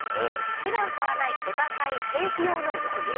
普段買わないお高いステーキ用の和牛。